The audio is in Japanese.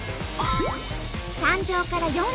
誕生から４５年。